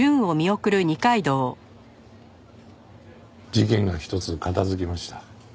事件がひとつ片付きました。